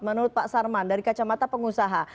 menurut pak sarman dari kacamata pengusaha